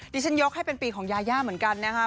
ที่ฉันยกให้เป็นปีของยาย่าเหมือนกันนะคะ